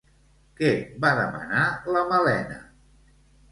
Què va demanar la Malena?